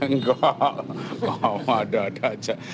enggak ada ada aja